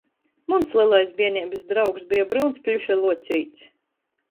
Muns lelais bierneibys draugs beja bryuns pļuša luoceits.